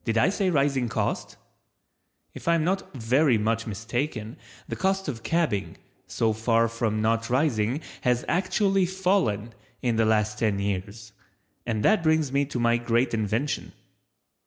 Did I say rising cost? If I am not very much mistaken the cost of cabbing, so far from not rising has actually fallen in the last ten years, and that brings me to my great invention.